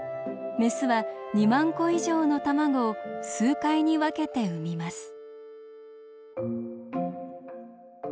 メスは２万個以上の卵を数回に分けて産みます。